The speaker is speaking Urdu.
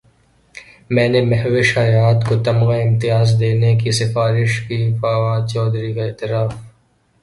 میں نے مہوش حیات کو تمغہ امتیاز دینے کی سفارش کی فواد چوہدری کا اعتراف